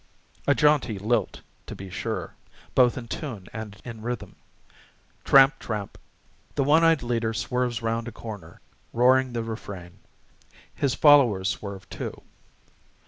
A jaunty lilt, to be sure, both in tune and in rhythm. Tramp, tramp! The one eyed leader swerves round a corner, roaring the refrain. His followers swerve too.